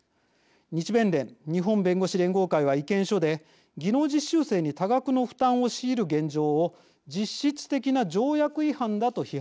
日弁連日本弁護士連合会は意見書で技能実習生に多額の負担を強いる現状を実質的な条約違反だと批判しています。